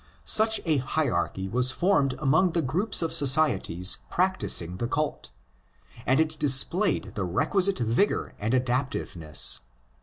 Such a hierarchy was formed among the groups of societies practising the cult; and it displayed the requisite vigour and adaptiveness.